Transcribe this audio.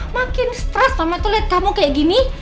makin stress sama itu liat kamu kayak gini